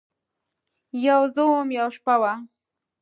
یوه زه وم، یوه شپه وه